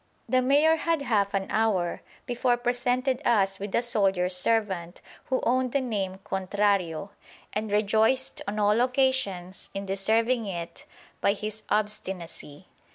The Mayor had half an hour before presented us with a soldier servant who owned the name Contrario, and rejoiced on all occasions in deserving it by his obstinacy.